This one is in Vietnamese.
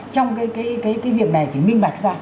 trong cái việc này phải minh mạch ra